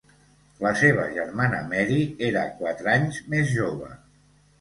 La seva germana Mary era quatre anys més jove.